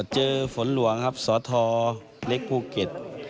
เจอฝนหลวงครับสทเล็กภูเก็ต